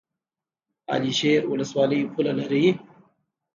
علي شیر ولسوالۍ پوله لري؟